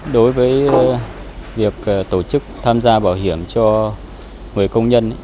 đối với việc tổ chức tham gia bảo hiểm cho người công nhân